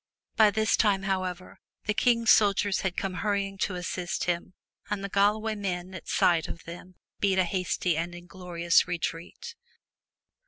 By this time, however, the King's soldiers had come hurry ing to assist him, and the Galloway men at sight of them beat a hasty and inglorious retreat.